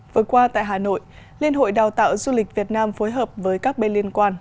vừa qua tại hà nội liên hội đào tạo du lịch việt nam phối hợp với các bên liên quan